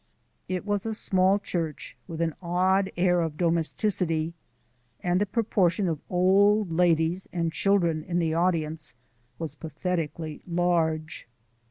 It was a small church with an odd air of domesticity, and the proportion of old ladies and children in the audience was pathetically large.